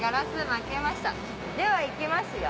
では行きますよ。